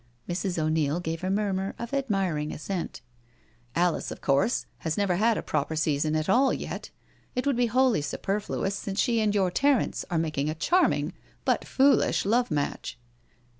•••" Mrs. 0*Neil gave a murmur of admiring assent. " Alice of course has never had a proper season at all yet. It would be wholly superfluous, since she and your Terence are making a charming but foolish love match.